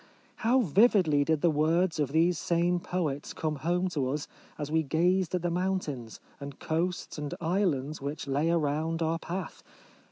How vividly did the words of these same poets come home to us as we gazed at the mountains, and coasts, and islands which lay around our path